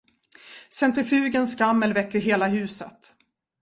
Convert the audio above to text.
Centrifugens skrammel väcker hela huset.